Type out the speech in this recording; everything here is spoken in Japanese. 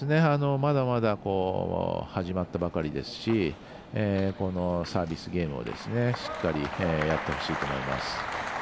まだまだ始まったばかりですしこのサービスゲームをしっかりやってほしいと思います。